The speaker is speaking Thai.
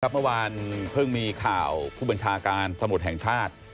เมื่อวานเพิ่งมีข่าวผู้บัญชาการสมุทรแห่งชาติ